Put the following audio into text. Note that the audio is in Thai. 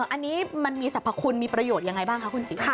อันนี้มันมีสรรพคุณมีประโยชน์ยังไงบ้างคะคุณจิ